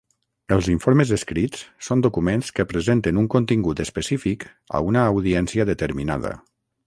Els informes escrits són documents que presenten un contingut específic a una audiència determinada.